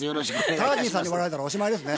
タージンさんに笑われたらおしまいですね。